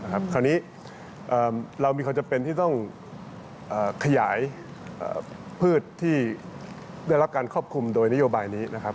คราวนี้เรามีความจำเป็นที่ต้องขยายพืชที่ได้รับการครอบคลุมโดยนโยบายนี้นะครับ